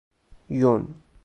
یون